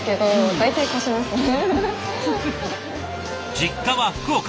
実家は福岡。